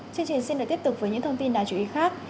chương trình xin được tiếp tục với những thông tin đáng chú ý khác